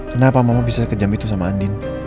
kenapa mama bisa ke jam itu sama andin